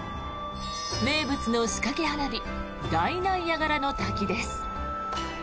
名物の仕掛け花火大ナイアガラの滝です。